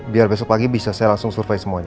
biar besok pagi bisa saya langsung survei semuanya